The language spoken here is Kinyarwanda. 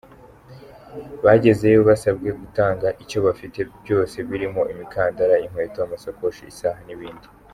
Bagezeyo basabwe gutanga ibyo bafite byose birimo imikandara, inkweto, amasakoshi, isaha n’ibindi.